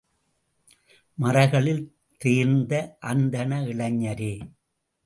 மறைகளில் தேர்ந்த அந்தண இளைஞரே!